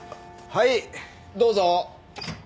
はいどうぞ。